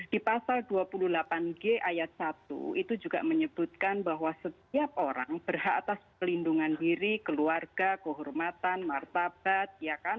di pasal dua puluh delapan g ayat satu itu juga menyebutkan bahwa setiap orang berhak atas pelindungan diri keluarga kehormatan martabat